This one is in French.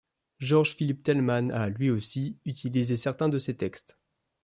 Georg Philipp Telemann a, lui aussi, utilisé certains de ses textes.